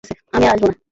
আমি আর আসবো না!